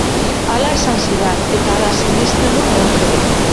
Hala esan zidan, eta hala sinesten dut neuk ere.